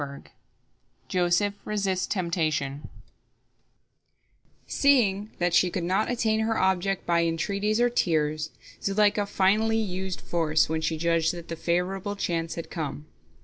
" JOSEPH RESISTS TEMPTATION Seeing that she could not attain her object by entreaties or tears, Zuleika finally used force, when she judged that the favorable chance had come.